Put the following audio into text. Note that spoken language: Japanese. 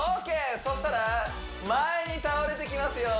そしたら前に倒れていきますよ